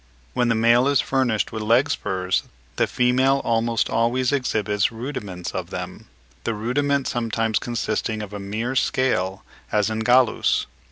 When the male is furnished with leg spurs the female almost always exhibits rudiments of them,—the rudiment sometimes consisting of a mere scale, as in Gallus.